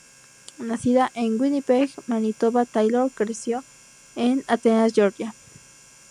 Nacida en Winnipeg, Manitoba, Taylor creció en Atenas, Georgia.